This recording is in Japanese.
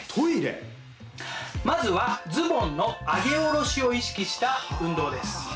まずはズボンの上げ下ろしを意識した運動です。